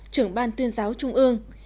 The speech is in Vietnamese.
trưởng ban tuyên giáo trung ương